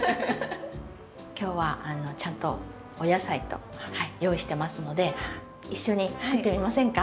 今日はちゃんとお野菜と用意してますので一緒に作ってみませんか？